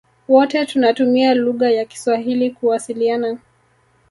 Wote tunatumia lugha ya kiswahili kuwasiliana